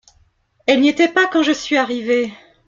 Elle n’y était pas quand je suis arrivé.